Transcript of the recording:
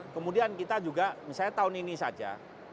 kemudian kita juga misalnya tahun ini saja